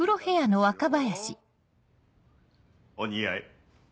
お似合い。